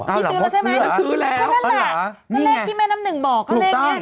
พี่นั่นล่ะก็เลขที่แม่น้ำหนึ่งบอกเขาเล่นเนี้ย